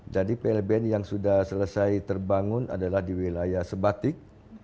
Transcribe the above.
jadi plbn yang sudah selesai terbangun adalah di wilayah sebatik